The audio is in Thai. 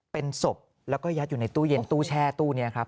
เป็นศพแล้วก็ยัดอยู่ในตู้เย็นตู้แช่ตู้นี้ครับ